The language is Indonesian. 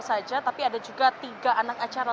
saja tapi ada juga tiga anak acara